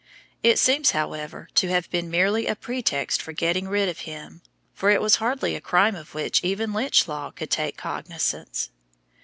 It seems, however, to have been merely a pretext for getting rid of him, for it was hardly a crime of which even Lynch law could take cognizance.